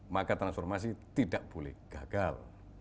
maka transformasi tidak boleh gagal